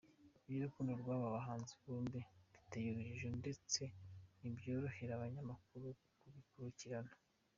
Iby’urukundo rw’aba bahanzi bombi biteye urujijo ndetse ntibyorohera abanyamakuru kubikurikirana.